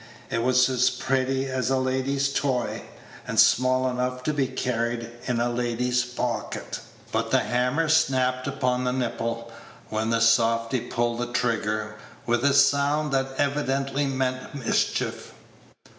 It was as pretty as a lady's toy, and small enough to be carried in a lady's pocket; but the hammer snapped upon the nipple, when the softy pulled the trigger, with a sound that evidently meant mischief.